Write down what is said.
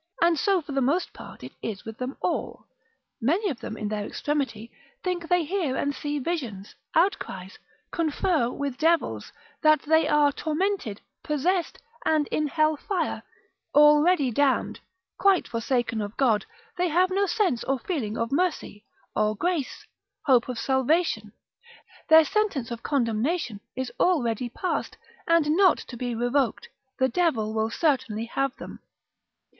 And so for the most part it is with them all, many of them, in their extremity, think they hear and see visions, outcries, confer with devils, that they are tormented, possessed, and in hell fire, already damned, quite forsaken of God, they have no sense or feeling of mercy, or grace, hope of salvation, their sentence of condemnation is already past, and not to be revoked, the devil will certainly have them.